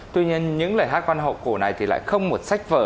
tuy nhiên những lời hát quan họ cổ này thì lại không một sách của quốc gia